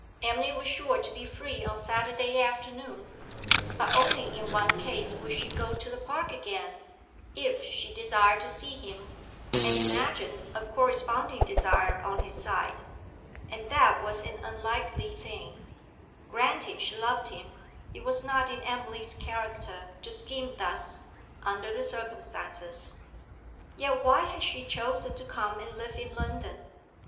Emily was sure to be free on Saturday afternoon; but only in one case would she go to the park again if she desired to see him, and imagined a corresponding desire on his side. And that was an unlikely thing; granting she loved him, it was not in Emily's character to scheme thus, under the circumstances. Yet why had she chosen to come and live in London?